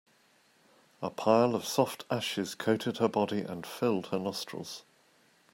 A pile of soft ashes coated her body and filled her nostrils.